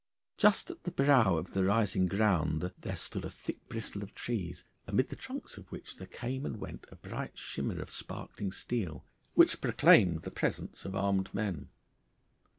Just at the brow of the rising ground there stood a thick bristle of trees, amid the trunks of which there came and went a bright shimmer of sparkling steel, which proclaimed the presence of armed men.